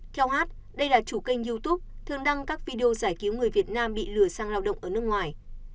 theo hát đây là chủ kênh youtube thường đăng các video giải cứu người việt nam bị lừa sang lao động ở nước ngoài